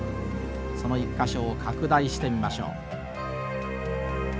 その１か所を拡大してみましょう。